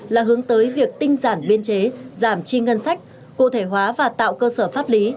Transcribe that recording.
là hướng tới việc tinh giản biên chế giảm chi ngân sách cụ thể hóa và tạo cơ sở pháp lý